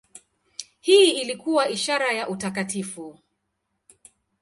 Hii ilikuwa ishara ya utakatifu.